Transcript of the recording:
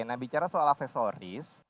nah bicara soal aksesoris